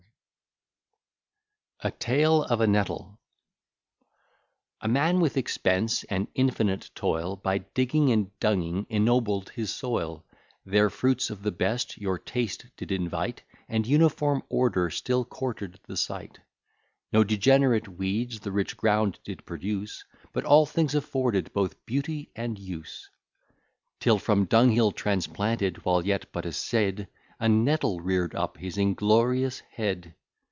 ] A TALE OF A NETTLE A man with expense and infinite toil, By digging and dunging, ennobled his soil; There fruits of the best your taste did invite, And uniform order still courted the sight. No degenerate weeds the rich ground did produce, But all things afforded both beauty and use: Till from dunghill transplanted, while yet but a seed, A nettle rear'd up his inglorious head.